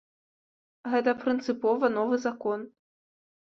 Гэта прынцыпова новы закон.